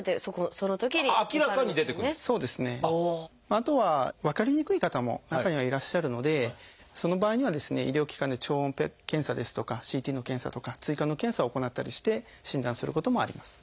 あとは分かりにくい方も中にはいらっしゃるのでその場合にはですね医療機関で超音波検査ですとかＣＴの検査とか追加の検査を行ったりして診断することもあります。